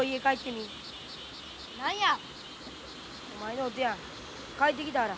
お前のおとやん帰ってきてはら。